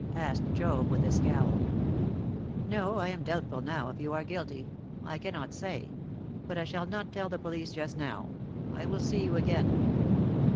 asked Job, with a scowl. "No, I am doubtful now if you are guilty. I cannot say; but I shall not tell the police just now; I will see you again.